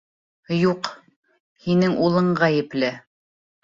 Юҡ, һинең улың ғәйепле.